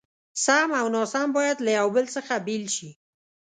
سم او ناسم بايد له يو بل څخه بېل شي.